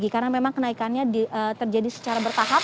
karena memang kenaikannya terjadi secara bertahap